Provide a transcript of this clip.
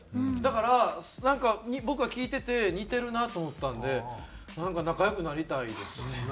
だからなんか僕は聞いてて似てるなと思ったんでなんか仲良くなりたいですね。